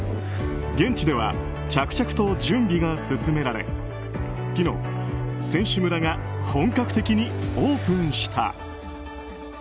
現地では着々と準備が進められ昨日、選手村が本格的にオープンした。